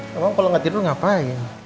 kamu kalau gak tidur ngapain